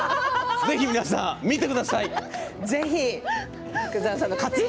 皆さん見てください。